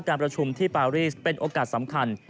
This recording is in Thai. การประชุมที่ปารีสเป็นโอกาสสำคัญ